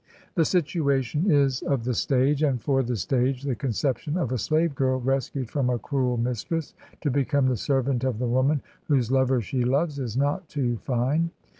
The situation is of the stage; and for the stage the conception of a slave girl rescued from a cruel mistress, to become the servant of the woman whose lover she loves, is not too fine.